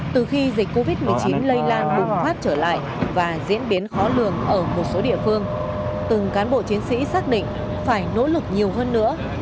từ khi dịch covid một mươi chín lây lan bùng phát trở lại và diễn biến khó lường ở một số địa phương từng cán bộ chiến sĩ xác định phải nỗ lực nhiều hơn nữa